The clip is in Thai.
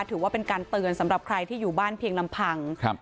ถือว่าเป็นการเตือนสำหรับใครที่อยู่บ้านเพียงลำพังครับ